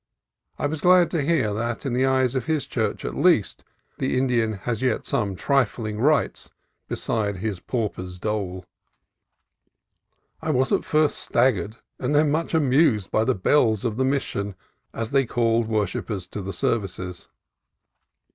I was glad to hear that in the eyes of his church, at least, the Indian yet has some trifling rights beside his pauper's dole. I was at first staggered and then much amused by the bells of the Mission as they called worshippers to the services.